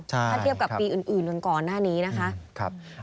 ถ้าเทียบกับปีอื่นก่อนหน้านี้นะคะ